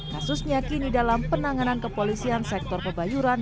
kasusnya kini dalam penanganan kepolisian sektor pebayuran